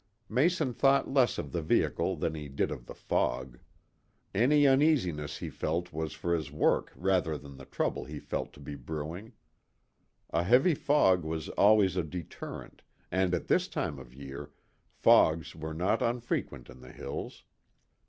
Mason thought less of the vehicle than he did of the fog. Any uneasiness he felt was for his work rather than the trouble he felt to be brewing. A heavy fog was always a deterrent, and, at this time of year, fogs were not unfrequent in the hills.